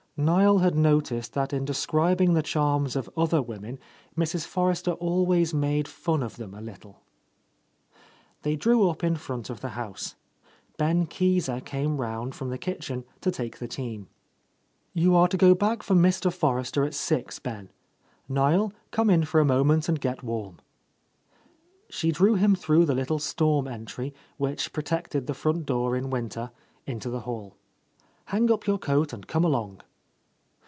'' Niel had noticed that in describing the charms of other women Mrs. Forrester always made fun of them a little. They drew up in front of the house. Ben Keezer came round from the kitchen to take the team. A Lost Lady "You are to go back for Mr. Forrester at six, Ben. Niel, come in for a moment and get warm." She drew him through the little storm entry, which protected the front door in winter, into the hall. "Hang up your coat and come along."